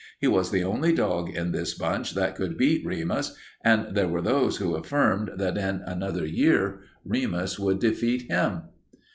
He was the only dog in this bunch that could beat Remus, and there were those who affirmed that in another year Remus would defeat him.